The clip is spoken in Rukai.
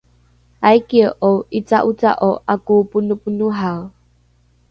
aikie’o ’ica’oca’o ’ako’oponoponohae?